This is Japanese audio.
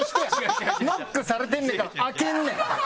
ノックされてんねんから開けんねん。